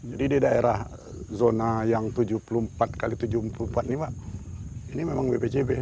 jadi di daerah zona yang tujuh puluh empat kali tujuh puluh empat ini mbak ini memang bpjb